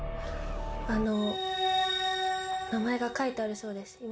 名前が書いてあるそうです。